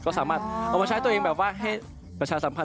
ก็สามารถใช้ตัวเองแบบแบบประชาสัมพันธ์